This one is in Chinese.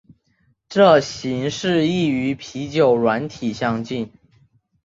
这形式亦与啤酒软体相近。